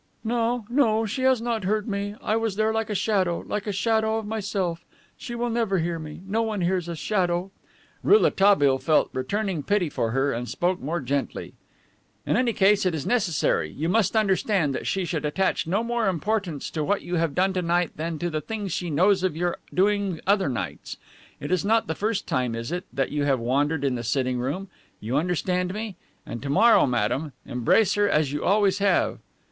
"No, no, she has not heard me. I was there like a shadow, like a shadow of myself. She will never hear me. No one hears a shadow." Rouletabille felt returning pity for her and spoke more gently. "In any case, it is necessary, you must understand, that she should attach no more importance to what you have done to night than to the things she knows of your doing other nights. It is not the first time, is it, that you have wandered in the sitting room? You understand me? And to morrow, madame, embrace her as you always have."